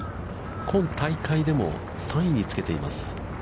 今大会でも３位につけています。